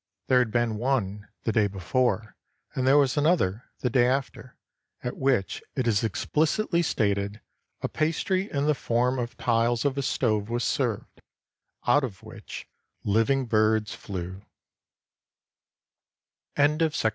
There had been one, the day before, and there was an other, the day after, at which it is explicitly stated, "A pastry in the form of tiles of a stove was served, out of which living birds flew."